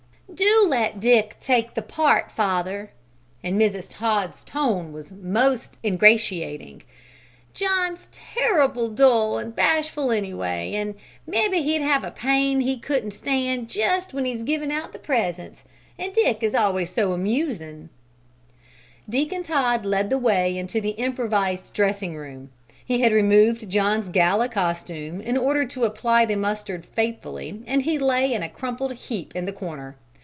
"Do let Dick take the part, father," and Mrs. Todd's tone was most ingratiating. "John's terrible dull and bashful anyway, an' mebbe he'd have a pain he couldn't stan' jest when he's givin' out the presents. An' Dick is always so amusin'." Deacon Todd led the way into the improvised dressing room. He had removed John's gala costume in order to apply the mustard faithfully and he lay in a crumpled heap in the corner.